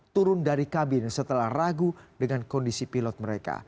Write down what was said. turun dari kabin setelah ragu dengan kondisi pilot mereka